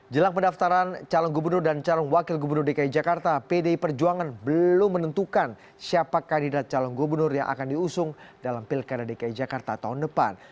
jelang pendaftaran calon gubernur dan calon wakil gubernur dki jakarta pdi perjuangan belum menentukan siapa kandidat calon gubernur yang akan diusung dalam pilkada dki jakarta tahun depan